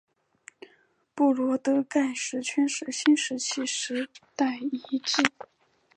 布罗德盖石圈是新石器时代遗迹。